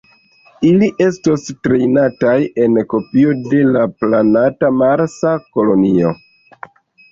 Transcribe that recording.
Ili estos trejnataj en kopio de la planata Marsa kolonio.